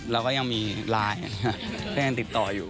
แล้วก็ยังมีไลน์ก็ยังติดต่ออยู่